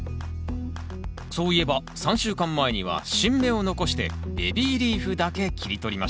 そういえば３週間前には新芽を残してベビーリーフだけ切り取りましたね